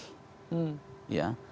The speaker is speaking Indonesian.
yang akan melihat bangsa ini secara jernih